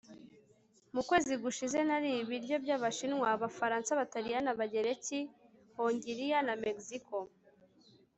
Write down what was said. Mu kwezi gushize nariye ibiryo byAbashinwa Abafaransa Abataliyani Abagereki Hongiriya na Mexico